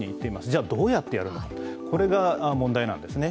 じゃあどうやってやるのか、これが問題なんですね。